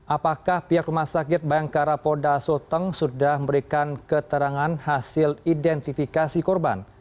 apakah pihak rumah sakit bayangkara polda soteng sudah memberikan keterangan hasil identifikasi korban